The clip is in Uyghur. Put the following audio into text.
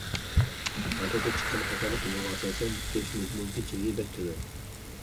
ئادەتتە چىققان خاتالىق نومۇرىغا ئاساسەن تېپىش مۇمكىنچىلىكى بەك تۆۋەن.